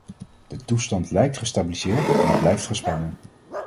De toestand lijkt gestabiliseerd maar blijft gespannen.